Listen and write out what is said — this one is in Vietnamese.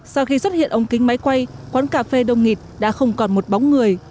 sau khi xuất hiện ống kính máy quay quán cà phê đông nghịt đã không còn một bóng người